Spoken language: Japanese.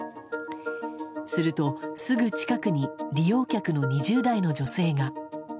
すると、すぐ近くに利用客の２０代の女性が。